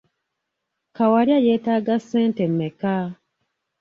Kawalya yeetaaga ssente mmeka?